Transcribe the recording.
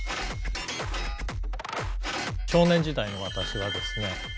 少年時代の私はですね